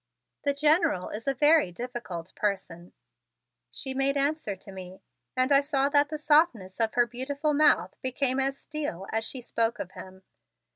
"The General is a very difficult person," she made answer to me, and I saw that softness of her beautiful mouth become as steel as she spoke of him.